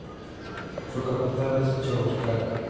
Su capital es Cheboksary.